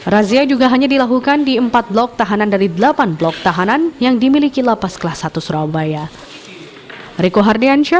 razia juga hanya dilakukan di empat blok tahanan dari delapan blok tahanan yang dimiliki lapas kelas satu surabaya